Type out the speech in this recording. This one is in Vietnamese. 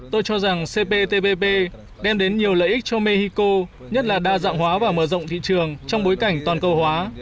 tôi cho rằng cptpp đem đến nhiều lợi ích cho mexico nhất là đa dạng hóa và mở rộng thị trường trong bối cảnh toàn cầu hóa